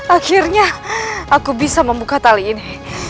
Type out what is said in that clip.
akhirnya aku bisa membuka tali ini